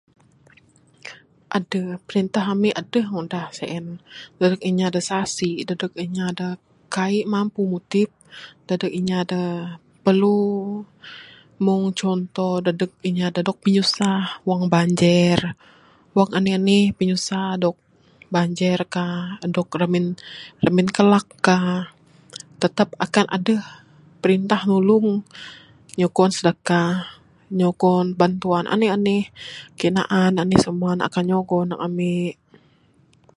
Adeh perintah ami adeh ngunah sien dadeg inya da sasi dadeg inya da kaik mampu mudip dadeg inya perlu mung contoh dadeg inya dog pinyusah wang banjir. Wang anih anih pinyusah dog banjir ka dog ramin ramin kalak ka tatap akan adeh perintah nulung nyugon sedekah nyugon bantuan anih anih anih kayuh naan anih semua ne akan nyugon neg ami.